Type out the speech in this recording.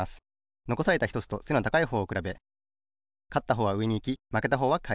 のこされたひとつと背の高いほうをくらべかったほうはうえにいきまけたほうはかえります。